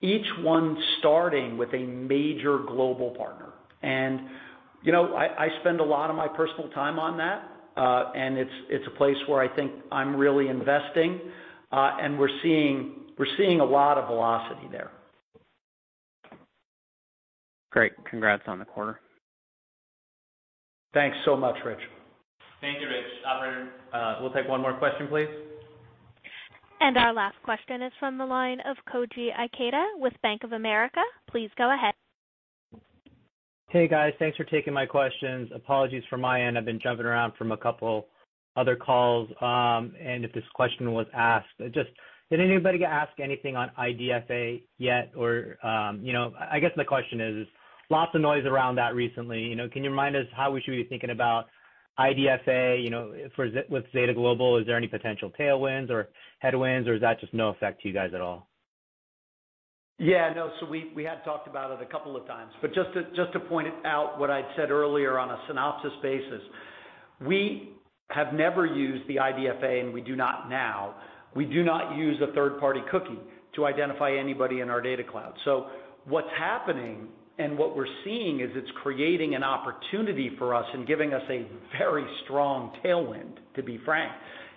each one starting with a major global partner, and I spend a lot of my personal time on that, and it's a place where I think I'm really investing, and we're seeing a lot of velocity there. Great. Congrats on the quarter. Thanks so much, Rich. Thank you, Rich. We'll take one more question, please. Our last question is from the line of Koji Ikeda with Bank of America. Please go ahead. Hey, guys. Thanks for taking my questions. Apologies for my end. I've been jumping around from a couple other calls, and if this question was asked, did anybody ask anything on IDFA yet, or I guess my question is, lots of noise around that recently. Can you remind us how we should be thinking about IDFA with Zeta Global? Is there any potential tailwinds or headwinds, or is that just no effect to you guys at all? Yeah. No. So we had talked about it a couple of times. But just to point out what I'd said earlier on a synopsis basis, we have never used the IDFA, and we do not now. We do not use a third-party cookie to identify anybody in our Data Cloud. So what's happening and what we're seeing is it's creating an opportunity for us and giving us a very strong tailwind, to be frank.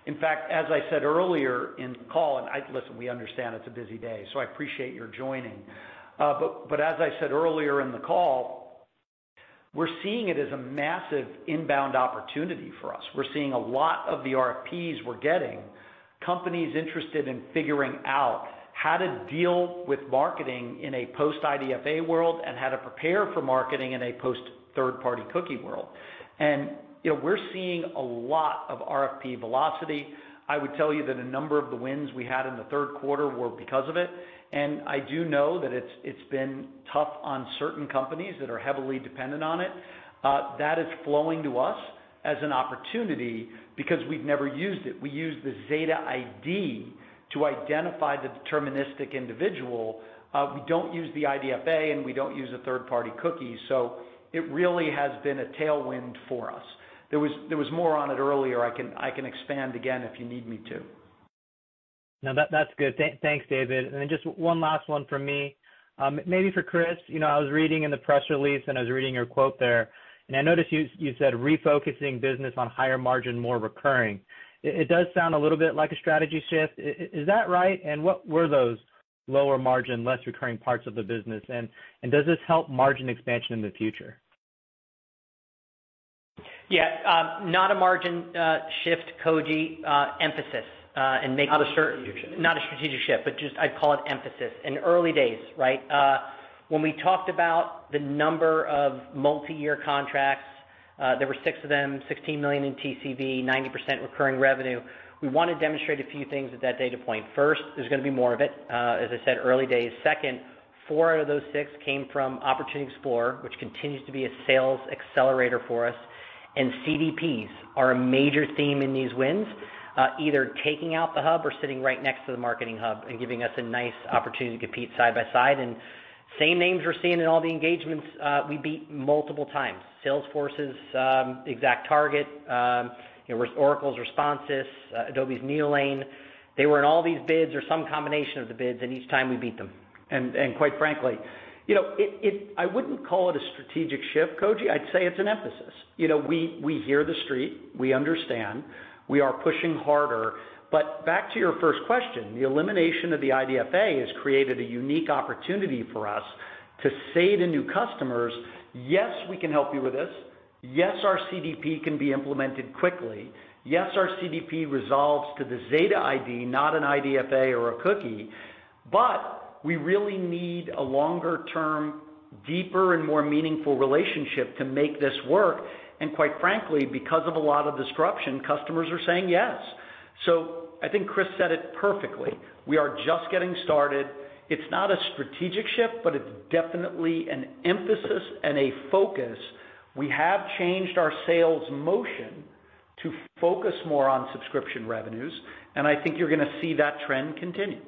In fact, as I said earlier in the call, and listen, we understand it's a busy day, so I appreciate your joining. But as I said earlier in the call, we're seeing it as a massive inbound opportunity for us. We're seeing a lot of the RFPs we're getting, companies interested in figuring out how to deal with marketing in a post-IDFA world and how to prepare for marketing in a post-third-party cookie world. We're seeing a lot of RFP velocity. I would tell you that a number of the wins we had in the third quarter were because of it. I do know that it's been tough on certain companies that are heavily dependent on it. That is flowing to us as an opportunity because we've never used it. We use the Zeta ID to identify the deterministic individual. We don't use the IDFA, and we don't use a third-party cookie. It really has been a tailwind for us. There was more on it earlier. I can expand again if you need me to. No, that's good. Thanks, David. Then just one last one for me, maybe for Chris. I was reading in the press release, and I was reading your quote there, and I noticed you said refocusing business on higher margin, more recurring. It does sound a little bit like a strategy shift. Is that right? What were those lower margin, less recurring parts of the business, and does this help margin expansion in the future? Yeah. Not a margin shift, Koji, emphasis and making. Not a strategic shift. Not a strategic shift, but just I'd call it emphasis. In early days, right, when we talked about the number of multi-year contracts, there were six of them, $16 million in TCV, 90% recurring revenue. We wanted to demonstrate a few things at that data point. First, there's going to be more of it, as I said, early days. Second, four out of those six came from Opportunity Explorer, which continues to be a sales accelerator for us. CDPs are a major theme in these wins, either taking out the hub or sitting right next to the marketing hub and giving us a nice opportunity to compete side by side, and same names we're seeing in all the engagements. We beat multiple times: Salesforce, ExactTarget, Oracle's Responsys, Adobe's Neolane. They were in all these bids or some combination of the bids, and each time we beat them. Quite frankly, I wouldn't call it a strategic shift, Koji. I'd say it's an emphasis. We hear the street. We understand. We are pushing harder. Back to your first question, the elimination of the IDFA has created a unique opportunity for us to say to new customers, "Yes, we can help you with this. Yes, our CDP can be implemented quickly. Yes, our CDP resolves to the Zeta ID, not an IDFA or a cookie, but we really need a longer-term, deeper, and more meaningful relationship to make this work." Quite frankly, because of a lot of disruption, customers are saying yes. I think Chris said it perfectly. We are just getting started. It's not a strategic shift, but it's definitely an emphasis and a focus. We have changed our sales motion to focus more on subscription revenues, and I think you're going to see that trend continue.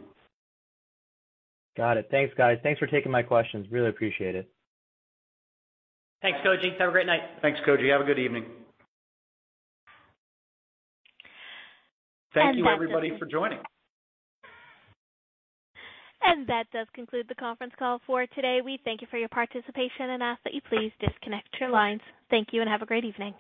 Got it. Thanks, guys. Thanks for taking my questions. Really appreciate it. Thanks, Koji. Have a great night. Thanks, Koji. Have a good evening. Thank you, everybody, for joining. That does conclude the conference call for today. We thank you for your participation and ask that you please disconnect your lines. Thank you and have a great evening.